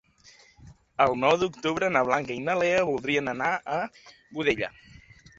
El nou d'octubre na Blanca i na Lea voldrien anar a Godella.